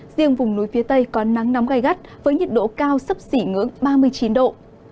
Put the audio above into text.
riêng vùng núi phía tây có nắng nóng gai gắt với nhiệt độ cao sấp xỉ ngưỡng ba mươi chín độ